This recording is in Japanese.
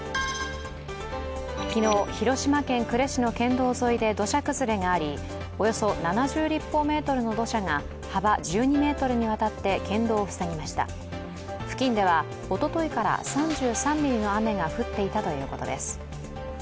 昨日、広島県呉市の県道沿いで土砂崩れがあり、およそ７０立方メートルの土砂が幅１２ｍにわたって県道を塞ぎました付近では、おとといから３３ミリの雨が降っていたということです。